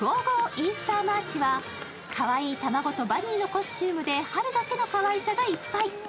イースターマーチは、かわいい卵とバニーのコスチュームで春だけのかわいさがいっぱい。